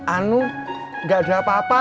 anu gak ada apa apa